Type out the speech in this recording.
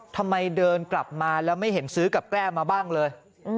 ทำไมเดินกลับมาแล้วไม่เห็นซื้อกับแก้มาบ้างเลย